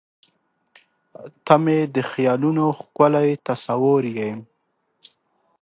• ته مې د خیالونو ښکلی تصور یې.